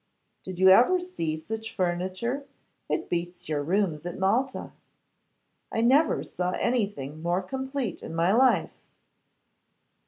'Did you ever see such furniture? It beats your rooms at Malta.' 'I never saw anything more complete in my life.